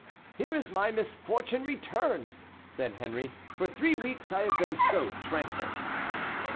"Here is my misfortune returned," said Henri; "for three weeks I have been so tranquil."